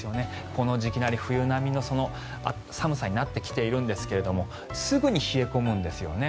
この時期並み、冬並みの寒さになってきているんですがすぐに冷え込むんですよね。